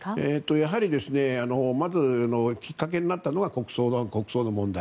やはりまずきっかけになったのが国葬の問題。